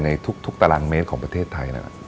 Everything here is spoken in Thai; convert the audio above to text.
ในทุกตารางเมตรของประเทศไทย